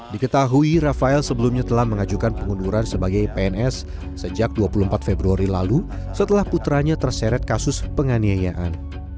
diketahui rafael sebelumnya telah mengajukan pengunduran sebagai pns sejak dua puluh empat februari lalu setelah putranya terseret kasus penganiayaan